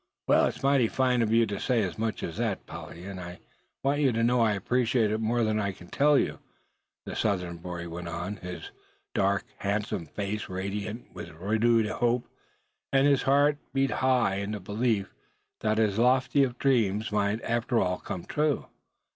"Well, it's mighty fine of you to say as much as that, Polly, and I want you to know I appreciate it more than I can tell you," the Southern boy went on, his dark handsome face radiant with renewed hope, as his heart beat high in the belief that his loftiest dreams might after all come true.